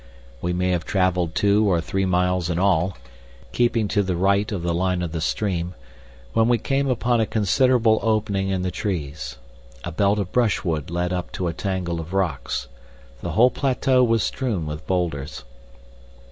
We may have traveled two or three miles in all, keeping to the right of the line of the stream, when we came upon a considerable opening in the trees. A belt of brushwood led up to a tangle of rocks the whole plateau was strewn with boulders.